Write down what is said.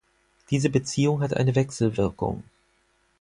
Diese Beziehung hat eine Wechselwirkung.